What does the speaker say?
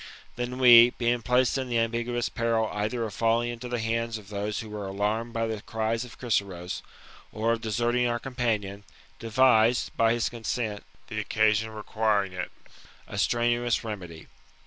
" Then we, being placed in the ambiguous peril either of falling into the hands of those who were alarmed by the cries of Chryseros, or of deserting our companion, devised, by his con sent, the occasion requiring it, a strenuous remedy.